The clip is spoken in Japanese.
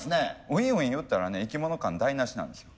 ウィンウィン言ったらね生き物感台なしなんですよ。